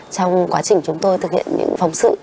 trong quá trình chúng tôi thực hiện những phóng sự